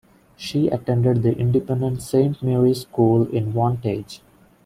She attended the independent Saint Mary's School in Wantage.